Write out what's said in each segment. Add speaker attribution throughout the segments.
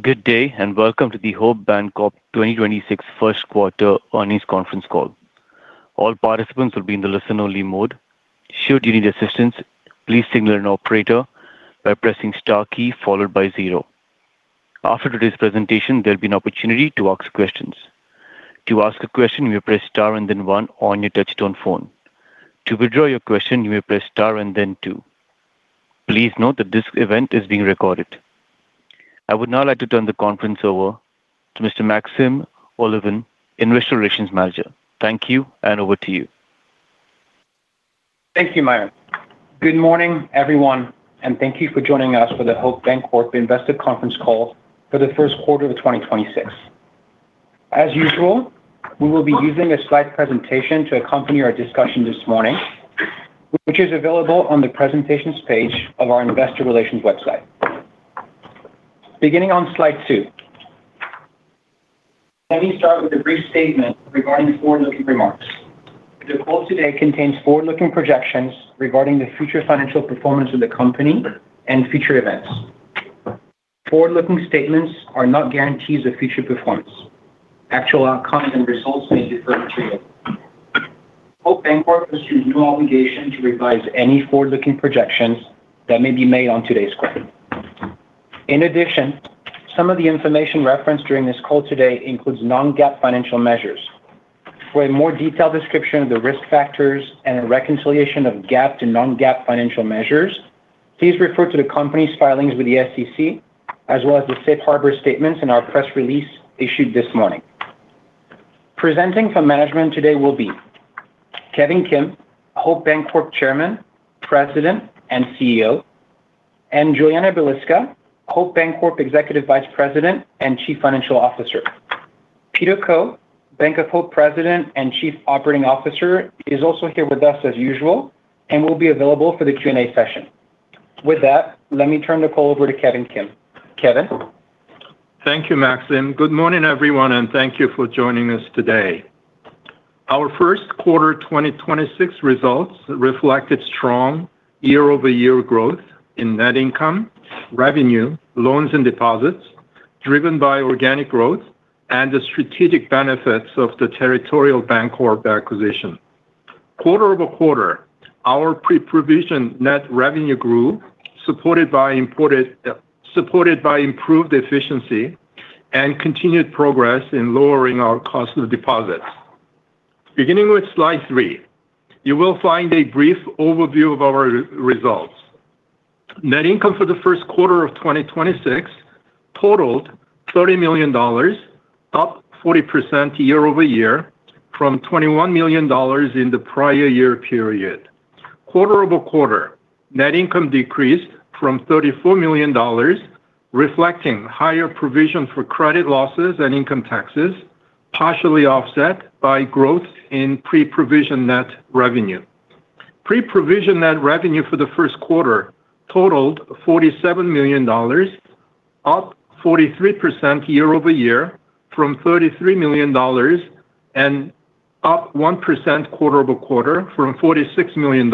Speaker 1: Good day. Welcome to the Hope Bancorp 2026 1st quarter earnings conference call. All participants will be in the listen only mode. Should you need assistance, please signal an operator by pressing star key followed by zero. After today's presentation, there'll be an opportunity to ask questions. To ask a question, you may press Star and then one on your touch-tone phone. To withdraw your question, you may press Star and then two. Please note that this event is being recorded. I would now like to turn the conference over to Mr. Maxime Olivan, Investor Relations Manager. Thank you. Over to you.
Speaker 2: Thank you, Myron. Good morning, everyone, and thank you for joining us for the Hope Bancorp Investor Conference Call for the first quarter of 2026. As usual, we will be using a slide presentation to accompany our discussion this morning, which is available on the presentations page of our investor relations website. Beginning on slide two, let me start with a brief statement regarding forward-looking remarks. The call today contains forward-looking projections regarding the future financial performance of the company and future events. Forward-looking statements are not guarantees of future performance. Actual outcomes and results may differ materially. Hope Bancorp assumes no obligation to revise any forward-looking projections that may be made on today's call. In addition, some of the information referenced during this call today includes non-GAAP financial measures. For a more detailed description of the risk factors and a reconciliation of GAAP to non-GAAP financial measures, please refer to the company's filings with the SEC as well as the safe harbor statements in our press release issued this morning. Presenting from management today will be Kevin S. Kim, Hope Bancorp Chairman, President, and CEO, and Julianna Balicka, Hope Bancorp Executive Vice President and Chief Financial Officer. Peter J. Koh, Bank of Hope President and Chief Operating Officer, is also here with us as usual and will be available for the Q&A session. With that, let me turn the call over to Kevin S. Kim. Kevin?
Speaker 3: Thank you, Maxime. Good morning, everyone, and thank you for joining us today. Our first quarter 2026 results reflected strong year-over-year growth in net income, revenue, loans, and deposits driven by organic growth and the strategic benefits of the Territorial Bancorp acquisition. Quarter-over-quarter, our pre-provision net revenue grew, supported by improved efficiency and continued progress in lowering our cost of deposits. Beginning with slide three, you will find a brief overview of our results. Net income for the first quarter of 2026 totaled $30 million, up 40% year-over-year from $21 million in the prior year period. Quarter-over-quarter, net income decreased from $34 million, reflecting higher provision for credit losses and income taxes, partially offset by growth in pre-provision net revenue. Pre-provision net revenue for the first quarter totaled $47 million, up 43% year-over-year from $33 million and up 1% quarter-over-quarter from $46 million.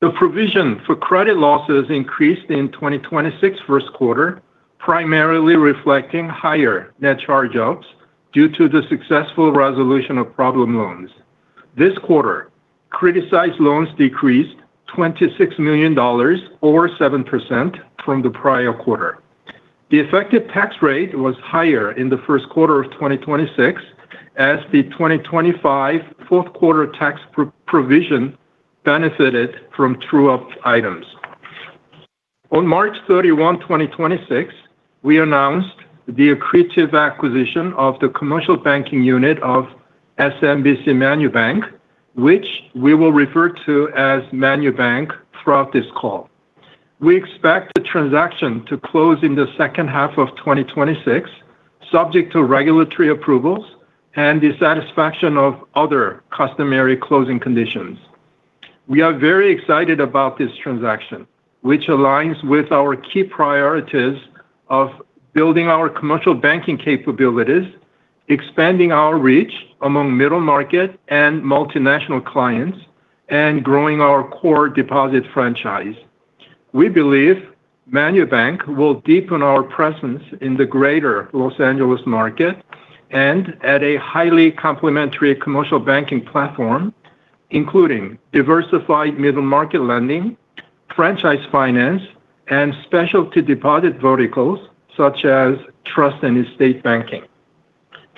Speaker 3: The provision for credit losses increased in 2026 first quarter, primarily reflecting higher net charge-offs due to the successful resolution of problem loans. This quarter, criticized loans decreased $26 million or 7% from the prior quarter. The effective tax rate was higher in the first quarter of 2026 as the 2025 fourth quarter tax provision benefited from true-up items. On March 31, 2026, we announced the accretive acquisition of the commercial banking unit of SMBC MANUBANK, which we will refer to as Manubank throughout this call. We expect the transaction to close in the second half of 2026, subject to regulatory approvals and the satisfaction of other customary closing conditions. We are very excited about this transaction, which aligns with our key priorities of building our commercial banking capabilities, expanding our reach among middle market and multinational clients, and growing our core deposit franchise. We believe Manubank will deepen our presence in the Greater Los Angeles market and add a highly complementary commercial banking platform, including diversified middle market lending, franchise finance, and specialty deposit verticals, such as trust and estate banking.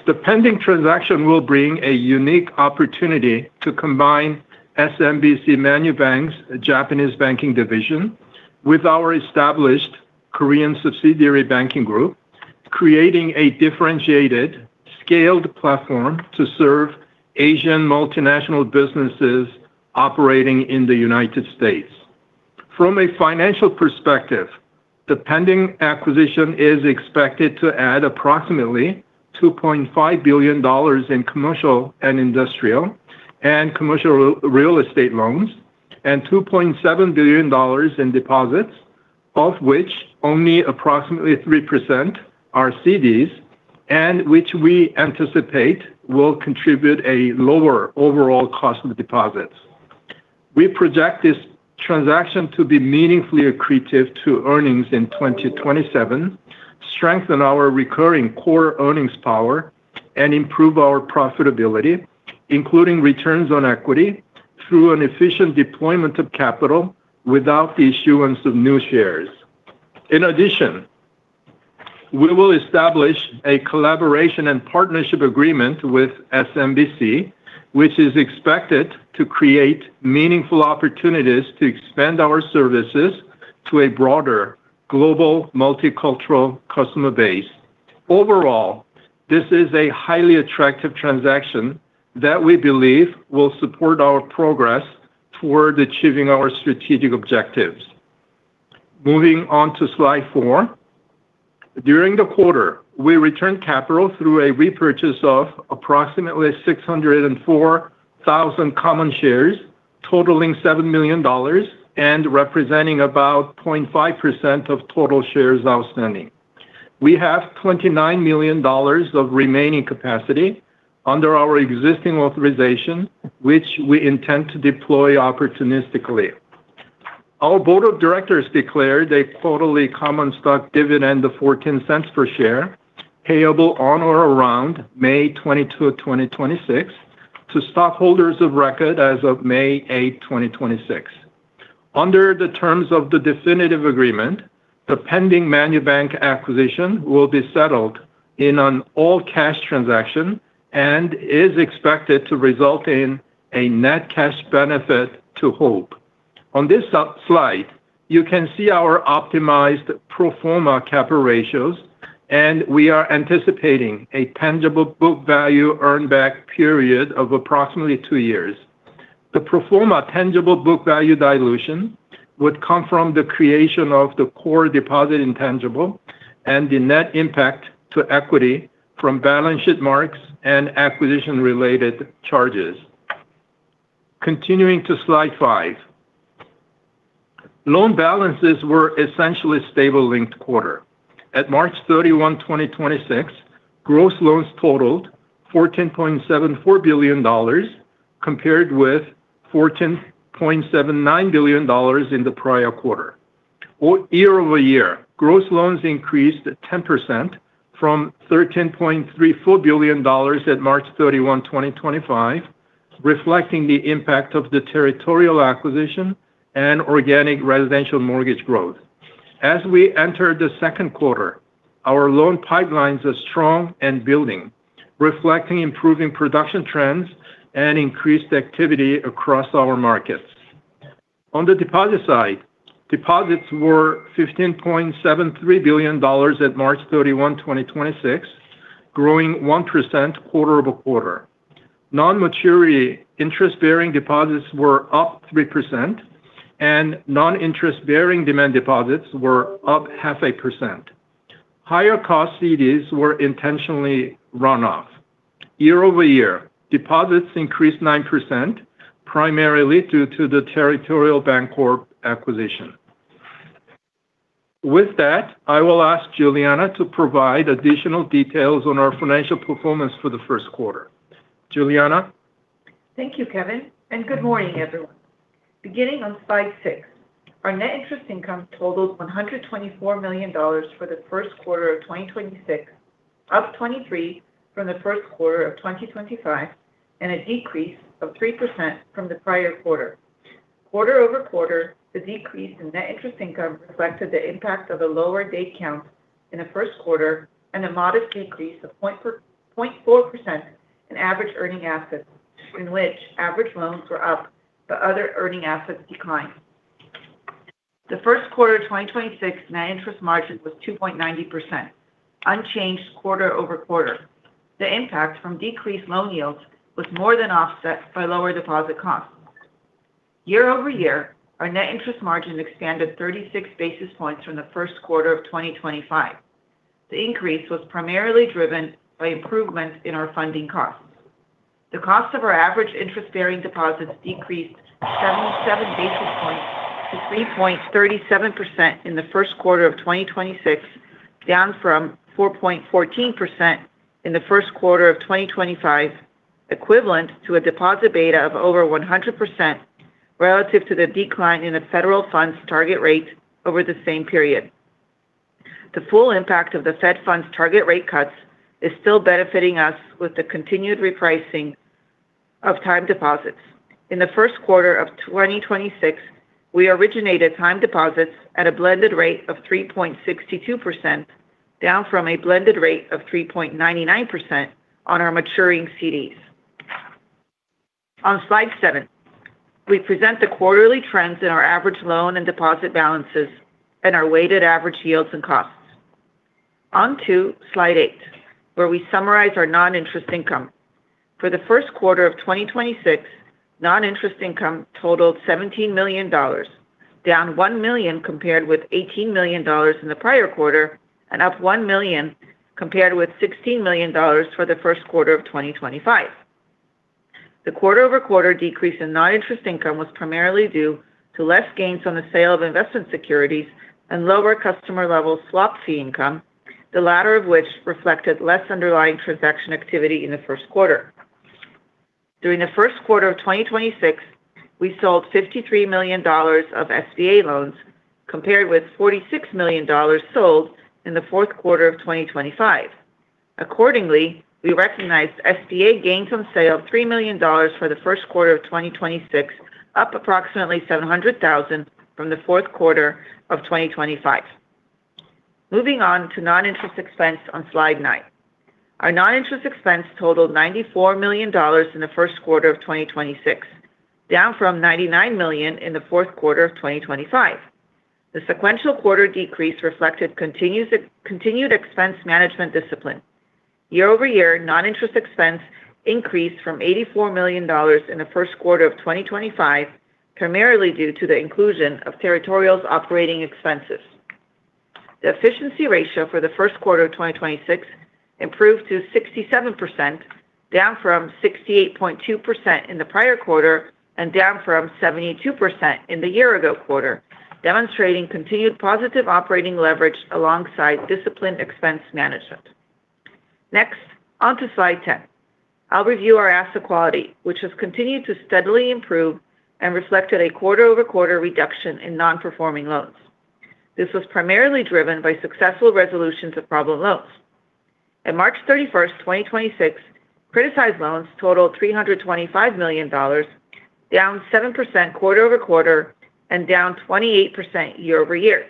Speaker 3: The pending transaction will bring a unique opportunity to combine SMBC Manubank's Japanese banking division with our established Korean subsidiary banking group, creating a differentiated, scaled platform to serve Asian multinational businesses operating in the United States. From a financial perspective, the pending acquisition is expected to add approximately $2.5 billion in Commercial and Industrial and commercial real estate loans and $2.7 billion in deposits, of which only approximately 3% are CDs and which we anticipate will contribute a lower overall cost of deposits. We project this transaction to be meaningfully accretive to earnings in 2027, strengthen our recurring core earnings power, and improve our profitability, including returns on equity through an efficient deployment of capital without the issuance of new shares. In addition, we will establish a collaboration and partnership agreement with SMBC, which is expected to create meaningful opportunities to expand our services to a broader global multicultural customer base. Overall, this is a highly attractive transaction that we believe will support our progress toward achieving our strategic objectives. Moving on to slide four. During the quarter, we returned capital through a repurchase of approximately 604,000 common shares, totaling $7 million and representing about 0.5% of total shares outstanding. We have $29 million of remaining capacity under our existing authorization, which we intend to deploy opportunistically. Our board of directors declared a quarterly common stock dividend of $0.14 per share, payable on or around May 22, 2026 to stockholders of record as of May eight, 2026. Under the terms of the definitive agreement, the pending Manubank acquisition will be settled in an all-cash transaction and is expected to result in a net cash benefit to Hope. On this slide, you can see our optimized pro forma capital ratios, and we are anticipating a tangible book value earn back period of approximately two years. The pro forma Tangible Book Value dilution would come from the creation of the Core Deposit Intangible and the net impact to equity from balance sheet marks and acquisition-related charges. Continuing to slide five. Loan balances were essentially stable linked quarter. At March 31, 2026, gross loans totaled $14.74 billion, compared with $14.79 billion in the prior quarter. Year over year, gross loans increased at 10% from $13.34 billion at March 31, 2025, reflecting the impact of the Territorial acquisition and organic residential mortgage growth. As we enter the second quarter, our loan pipelines are strong and building, reflecting improving production trends and increased activity across our markets. On the deposit side, deposits were $15.73 billion at March 31, 2026, growing 1% quarter over quarter. Non-maturity interest-bearing deposits were up 3% and non-interest-bearing demand deposits were up 0.5%. Higher cost CDs were intentionally run off. Year-over-year, deposits increased 9%, primarily due to the Territorial Bancorp acquisition. With that, I will ask Julianna to provide additional details on our financial performance for the first quarter. Julianna?
Speaker 4: Thank you, Kevin. Good morning, everyone. Beginning on slide six, our net interest income totaled $124 million for the first quarter of 2026, up 23 from the first quarter of 2025, and a decrease of 3% from the prior quarter. Quarter-over-quarter, the decrease in net interest income reflected the impact of the lower day count in the first quarter and a modest decrease of 0.4% in average earning assets in which average loans were up but other earning assets declined. The first quarter of 2026 net interest margin was 2.90%, unchanged quarter-over-quarter. The impact from decreased loan yields was more than offset by lower deposit costs. Year-over-year, our net interest margin expanded 36 basis points from the first quarter of 2025. The increase was primarily driven by improvement in our funding costs. The cost of our average interest-bearing deposits decreased 77 basis points to 3.37% in the first quarter of 2026, down from 4.14% in the first quarter of 2025, equivalent to a deposit beta of over 100% relative to the decline in the federal funds target rate over the same period. The full impact of the Fed funds target rate cuts is still benefiting us with the continued repricing of time deposits. In the first quarter of 2026, we originated time deposits at a blended rate of 3.62%, down from a blended rate of 3.99% on our maturing CDs. On slide seven, we present the quarterly trends in our average loan and deposit balances and our weighted average yields and costs. On to slide eight, where we summarize our non-interest income. For the first quarter of 2026, non-interest income totaled $17 million, down $1 million compared with $18 million in the prior quarter and up $1 million compared with $16 million for the first quarter of 2025. The quarter-over-quarter decrease in non-interest income was primarily due to less gains on the sale of investment securities and lower customer-level swap fee income. The latter of which reflected less underlying transaction activity in the first quarter. During the first quarter of 2026, we sold $53 million of SBA loans compared with $46 million sold in the fourth quarter of 2025. We recognized SBA gains from sale of $3 million for the first quarter of 2026, up approximately $700,000 from the fourth quarter of 2025. Moving on to non-interest expense on slide nine. Our non-interest expense totaled $94 million in the first quarter of 2026, down from $99 million in the fourth quarter of 2025. The sequential quarter decrease reflected continued expense management discipline. Year over year, non-interest expense increased from $84 million in the first quarter of 2025, primarily due to the inclusion of Territorial's operating expenses. The efficiency ratio for the first quarter of 2026 improved to 67%, down from 68.2% in the prior quarter and down from 72% in the year ago quarter, demonstrating continued positive operating leverage alongside disciplined expense management. On to slide ten. I'll review our asset quality, which has continued to steadily improve and reflected a quarter-over-quarter reduction in non-performing loans. This was primarily driven by successful resolutions of problem loans. At March 31, 2026, criticized loans totaled $325 million, down 7% quarter-over-quarter and down 28% year-over-year.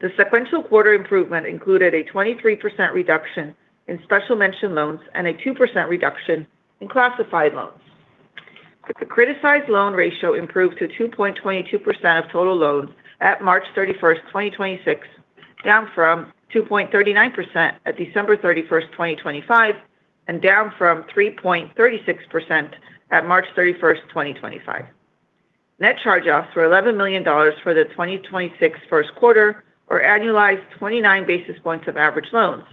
Speaker 4: The sequential quarter improvement included a 23% reduction in special mention loans and a 2% reduction in classified loans. The criticized loan ratio improved to 2.22% of total loans at March 31, 2026, down from 2.39% at December 31, 2025, and down from 3.36% at March 31, 2025. Net charge-offs were $11 million for the 2026 first quarter or annualized 29 basis points of average loans,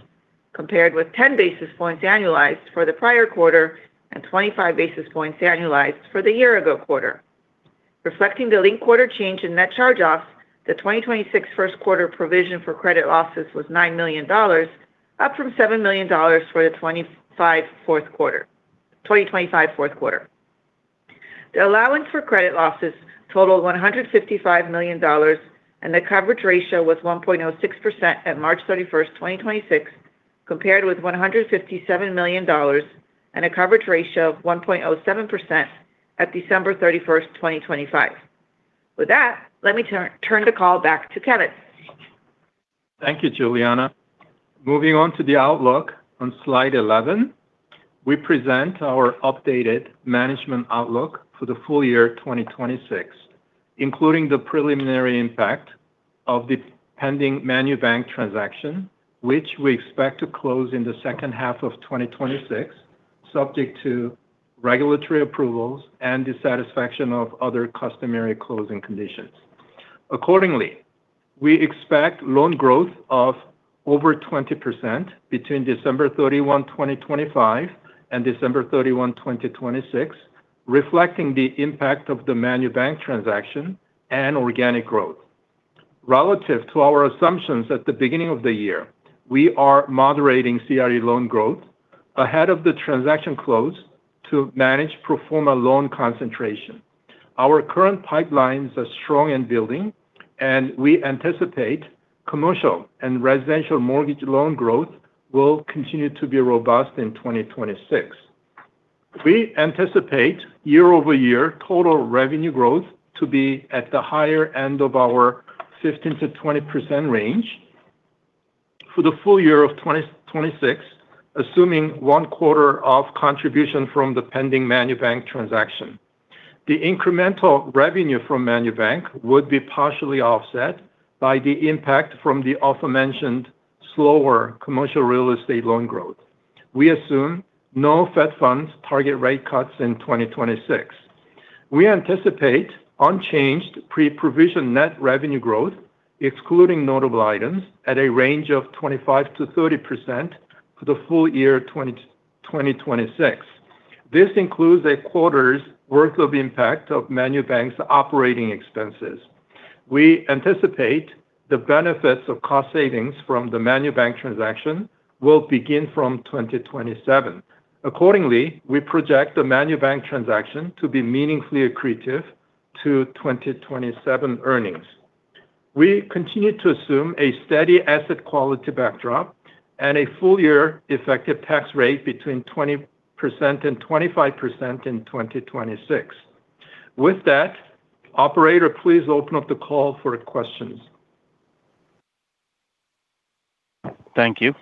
Speaker 4: compared with 10 basis points annualized for the prior quarter and 25 basis points annualized for the year ago quarter. Reflecting the linked quarter change in net charge-offs, the 2026 first quarter provision for credit losses was $9 million, up from $7 million for the 2025 fourth quarter. The allowance for credit losses totaled $155 million, and the coverage ratio was 1.06% at March 31st, 2026, compared with $157 million and a coverage ratio of 1.07% at December 31st, 2025. With that, let me turn the call back to Kevin.
Speaker 3: Thank you, Julianna. Moving on to the outlook on slide 11. We present our updated management outlook for the full year 2026, including the preliminary impact of the pending ManuBank transaction, which we expect to close in the second half of 2026, subject to regulatory approvals and the satisfaction of other customary closing conditions. We expect loan growth of over 20% between December 31, 2025 and December 31, 2026, reflecting the impact of the ManuBank transaction and organic growth. Relative to our assumptions at the beginning of the year, we are moderating CRE loan growth ahead of the transaction close to manage pro forma loan concentration. Our current pipelines are strong and building, and we anticipate commercial and residential mortgage loan growth will continue to be robust in 2026. We anticipate year-over-year total revenue growth to be at the higher end of our 15%-20% range for the full year of 2026, assuming one quarter of contribution from the pending ManuBank transaction. The incremental revenue from ManuBank would be partially offset by the impact from the aforementioned slower commercial real estate loan growth. We assume no Fed funds target rate cuts in 2026. We anticipate unchanged pre-provision net revenue growth, excluding notable items, at a range of 25%-30% for the full year 2026. This includes a quarter's worth of impact of ManuBank's operating expenses. We anticipate the benefits of cost savings from the ManuBank transaction will begin from 2027. Accordingly, we project the ManuBank transaction to be meaningfully accretive to 2027 earnings. We continue to assume a steady asset quality backdrop and a full year effective tax rate between 20% and 25% in 2026. With that, operator, please open up the call for questions.
Speaker 1: Thank you.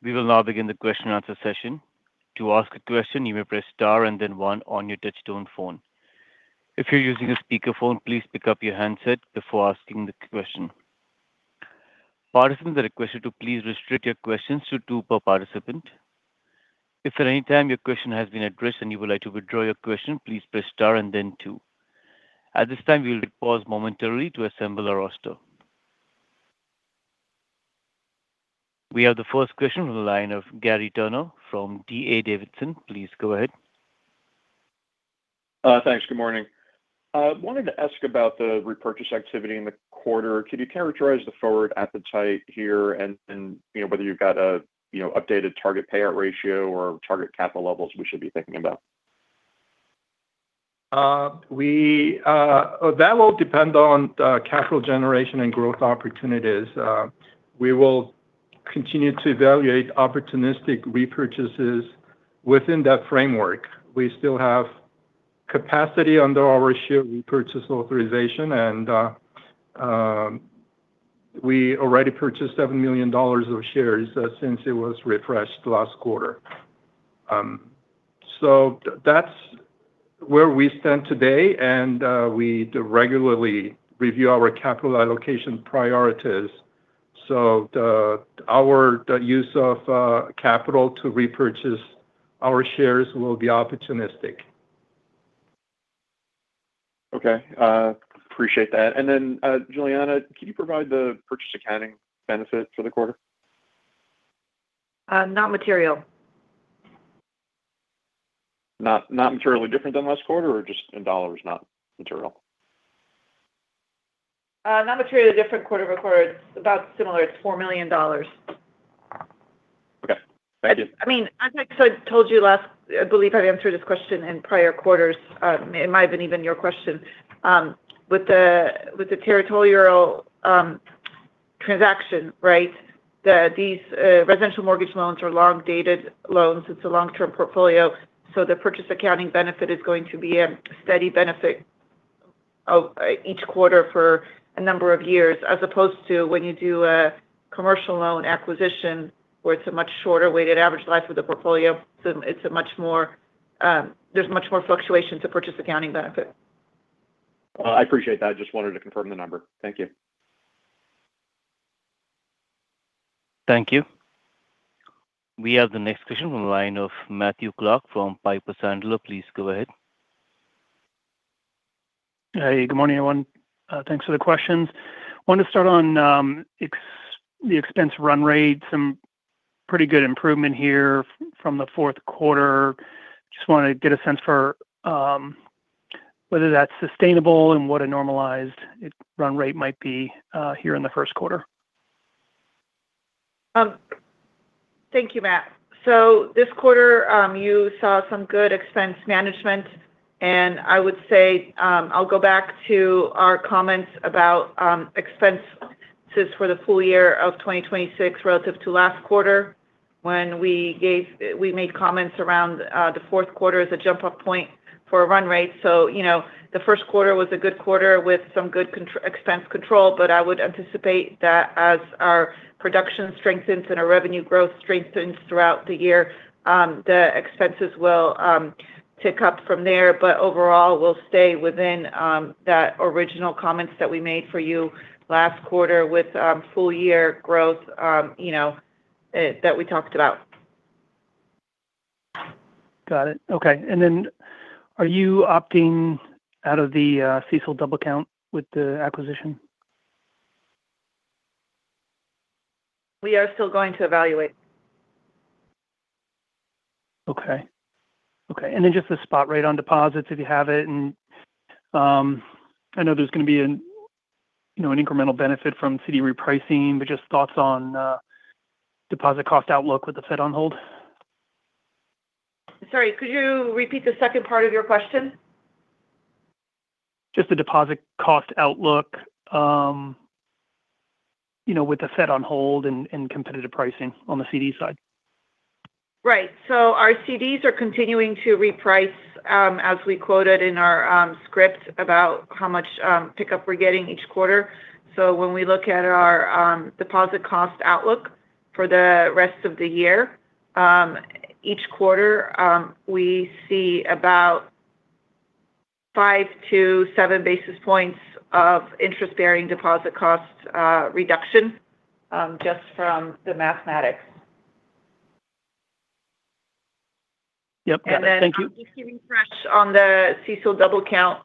Speaker 1: We will now begin the question and answer session. To ask a question, you may press star and then one on your touchtone phone. If you're using a speakerphone, please pick up your handset before asking the question. Participants are requested to please restrict your questions to two per participant. If at any time your question has been addressed and you would like to withdraw your question, please press star and then two. At this time, we will pause momentarily to assemble a roster. We have the first question from the line of Gary Tenner from D.A. Davidson. Please go ahead.
Speaker 5: Thanks. Good morning. I wanted to ask about the repurchase activity in the quarter. Could you characterize the forward appetite here and, you know, whether you've got a, you know, updated target payout ratio or target capital levels we should be thinking about?
Speaker 3: That will depend on capital generation and growth opportunities. We will continue to evaluate opportunistic repurchases within that framework. We still have capacity under our share repurchase authorization, and we already purchased $7 million of shares since it was refreshed last quarter. That's where we stand today, and we regularly review our capital allocation priorities. The use of capital to repurchase our shares will be opportunistic.
Speaker 5: Okay. Appreciate that. Julianna, can you provide the purchase accounting benefit for the quarter?
Speaker 4: Not material.
Speaker 5: Not materially different than last quarter or just in dollars not material?
Speaker 4: Not materially different quarter-over-quarter. It's about similar. It's $4 million.
Speaker 5: Okay. Thank you.
Speaker 4: I mean, I believe I've answered this question in prior quarters. It might have been even your question. With the Territorial transaction, right, these residential mortgage loans are long-dated loans. It's a long-term portfolio. The purchase accounting benefit is going to be a steady benefit of each quarter for a number of years as opposed to when you do a commercial loan acquisition where it's a much shorter weighted average life of the portfolio. It's a much more, there's much more fluctuation to purchase accounting benefit.
Speaker 5: I appreciate that. I just wanted to confirm the number. Thank you.
Speaker 1: Thank you. We have the next question on the line of Matthew Clark from Piper Sandler. Please go ahead.
Speaker 6: Hey, good morning, everyone. Thanks for the questions. Wanted to start on the expense run rate. Some pretty good improvement here from the fourth quarter. Just wanted to get a sense for whether that's sustainable and what a normalized run rate might be here in the first quarter.
Speaker 4: Thank you, Matt. This quarter, you saw some good expense management. I would say, I'll go back to our comments about expenses for the full year of 2026 relative to last quarter when we gave, we made comments around the 4th quarter as a jump-off point for a run rate. You know, the 1st quarter was a good quarter with some good expense control. I would anticipate that as our production strengthens and our revenue growth strengthens throughout the year, the expenses will tick up from there. Overall, we'll stay within the original comments that we made for you last quarter with full year growth, you know, that we talked about.
Speaker 6: Got it. Okay. Are you opting out of the CECL double count with the acquisition?
Speaker 4: We are still going to evaluate.
Speaker 6: Okay. Okay. Then just a spot rate on deposits if you have it. I know there's gonna be you know, an incremental benefit from CD repricing, but just thoughts on deposit cost outlook with the fed on hold.
Speaker 4: Sorry, could you repeat the second part of your question?
Speaker 6: Just the deposit cost outlook, you know, with the Fed on hold and competitive pricing on the CD side.
Speaker 4: Right. Our CDs are continuing to reprice, as we quoted in our script about how much pickup we're getting each quarter. When we look at our deposit cost outlook for the rest of the year, each quarter, we see about five to seven basis points of interest-bearing deposit cost reduction just from the mathematics.
Speaker 6: Yep. Got it. Thank you.
Speaker 4: Just to refresh on the CECL double count,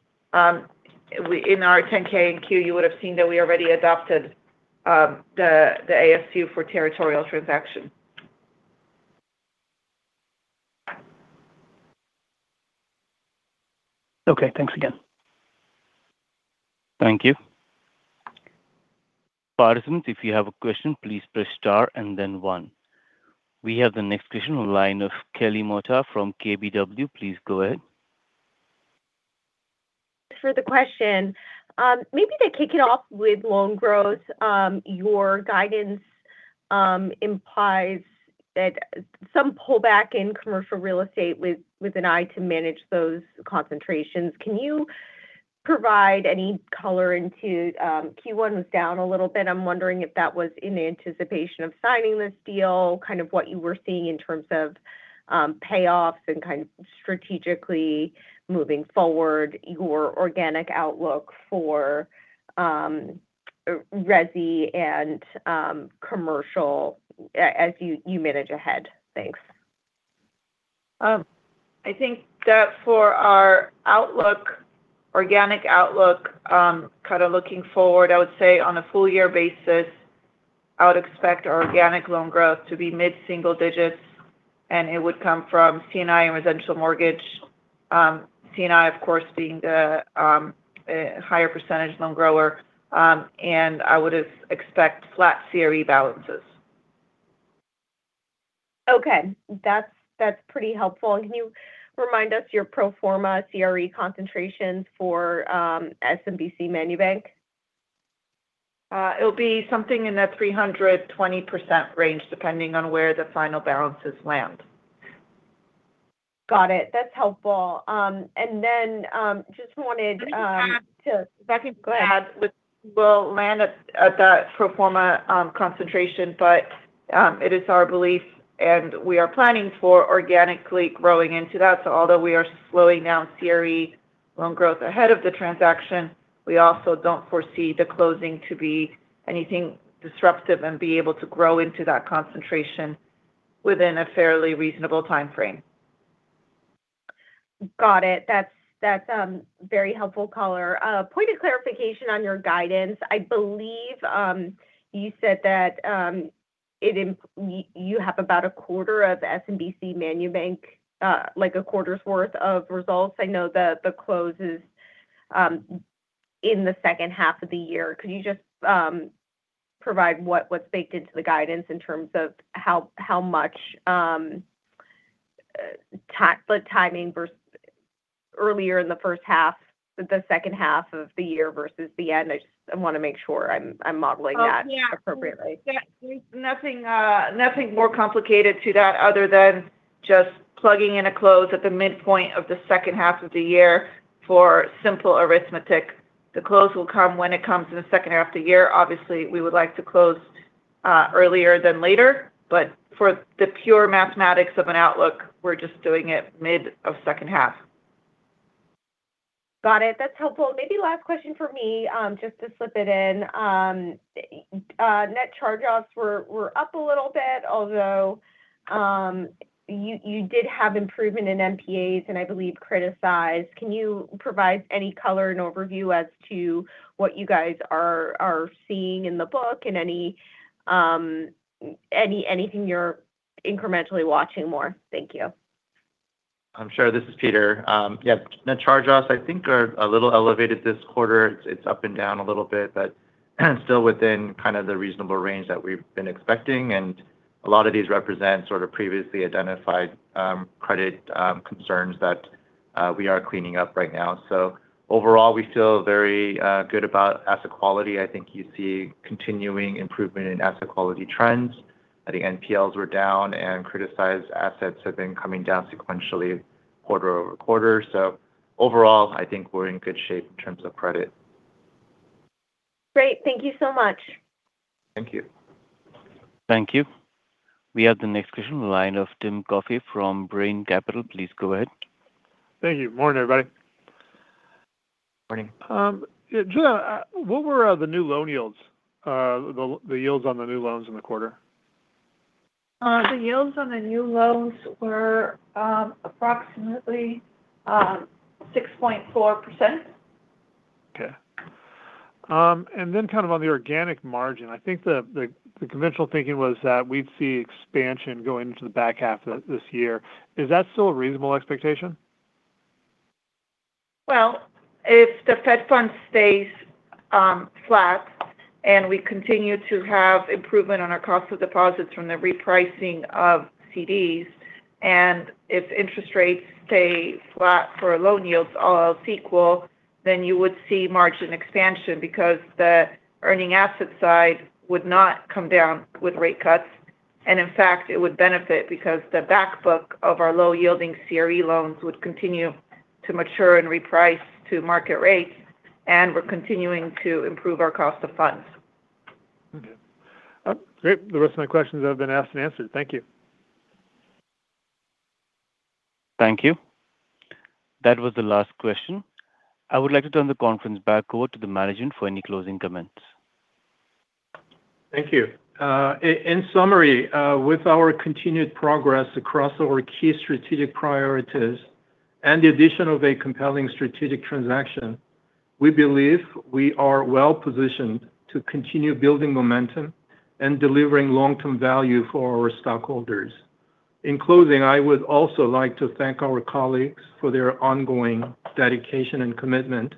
Speaker 4: we, in our 10-K and Q, you would have seen that we already adopted, the ASU for Territorial transaction.
Speaker 6: Okay. Thanks again.
Speaker 1: Thank you. Participants, if you have a question, please press star and then one. We have the next question on line of Kelly Motta from KBW. Please go ahead.
Speaker 7: For the question. Maybe to kick it off with loan growth. Your guidance implies that some pullback in commercial real estate with an eye to manage those concentrations. Can you provide any color into Q1 was down a little bit? I'm wondering if that was in anticipation of signing this deal, kind of what you were seeing in terms of payoffs and kind of strategically moving forward your organic outlook for resi and commercial as you manage ahead? Thanks.
Speaker 4: I think that for our outlook, organic outlook, kind of looking forward, I would say on a full year basis, I would expect our organic loan growth to be mid-single digits, and it would come from C&I and residential mortgage. C&I, of course, being the higher percentage loan grower. I would expect flat CRE balances.
Speaker 7: Okay. That's pretty helpful. Can you remind us your pro forma CRE concentration for SMBC MANUBANK?
Speaker 4: It'll be something in the 320% range, depending on where the final balances land.
Speaker 7: Got it. That's helpful.
Speaker 4: Let me add to.
Speaker 7: Becky, go ahead.
Speaker 4: We'll land at the pro forma concentration. It is our belief and we are planning for organically growing into that. Although we are slowing down CRE loan growth ahead of the transaction, we also don't foresee the closing to be anything disruptive and be able to grow into that concentration within a fairly reasonable timeframe.
Speaker 7: Got it. That's very helpful color. Point of clarification on your guidance. I believe you said that you have about a quarter of SMBC MANUBANK, like a quarter's worth of results. I know the close is in the second half of the year. Could you just provide what's baked into the guidance in terms of how much the timing earlier in the second half of the year versus the end? I just, I want to make sure I'm modeling that-
Speaker 4: Oh, yeah.
Speaker 7: appropriately.
Speaker 4: Yeah. There's nothing more complicated to that other than just plugging in a close at the midpoint of the second half of the year for simple arithmetic. The close will come when it comes in the second half of the year. Obviously, we would like to close, earlier than later. For the pure mathematics of an outlook, we're just doing it mid of second half.
Speaker 7: Got it. That's helpful. Maybe last question from me, just to slip it in. Net charge-offs were up a little bit, although you did have improvement in NPAs and I believe criticized. Can you provide any color and overview as to what you guys are seeing in the book and anything you're incrementally watching more? Thank you.
Speaker 8: I'm sure this is Peter. Yeah. Net charge-offs I think are a little elevated this quarter. It's, it's up and down a little bit, but still within kind of the reasonable range that we've been expecting. A lot of these represent sort of previously identified credit concerns that we are cleaning up right now. Overall, we feel very good about asset quality. I think you see continuing improvement in asset quality trends. The NPLs were down and criticized assets have been coming down sequentially quarter-over-quarter. Overall, I think we're in good shape in terms of credit.
Speaker 7: Great. Thank you so much.
Speaker 8: Thank you.
Speaker 1: Thank you. We have the next question in line of Tim Coffey from Brean Capital. Please go ahead.
Speaker 9: Thank you. Morning, everybody.
Speaker 8: Morning.
Speaker 9: Yeah, Julianna, what were the new loan yields, the yields on the new loans in the quarter?
Speaker 4: The yields on the new loans were, approximately, 6.4%.
Speaker 9: Okay. Kind of on the organic margin. I think the conventional thinking was that we'd see expansion going into the back half of this year. Is that still a reasonable expectation?
Speaker 4: Well, if the Fed funds stays flat and we continue to have improvement on our cost of deposits from the repricing of CDs, and if interest rates stay flat for loan yields, all else equal, then you would see margin expansion because the earning asset side would not come down with rate cuts. In fact, it would benefit because the backbook of our low-yielding CRE loans would continue to mature and reprice to market rates, and we're continuing to improve our cost of funds.
Speaker 9: Okay. Great. The rest of my questions have been asked and answered. Thank you.
Speaker 1: Thank you. That was the last question. I would like to turn the conference back over to the management for any closing comments.
Speaker 3: Thank you. In summary, with our continued progress across our key strategic priorities and the addition of a compelling strategic transaction, we believe we are well positioned to continue building momentum and delivering long-term value for our stockholders. In closing, I would also like to thank our colleagues for their ongoing dedication and commitment,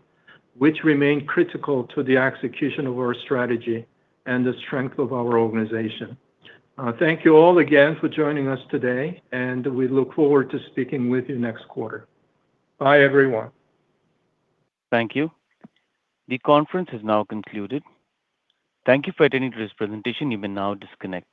Speaker 3: which remain critical to the execution of our strategy and the strength of our organization. Thank you all again for joining us today, and we look forward to speaking with you next quarter. Bye, everyone.
Speaker 1: Thank you. The conference is now concluded. Thank you for attending today's presentation. You may now disconnect.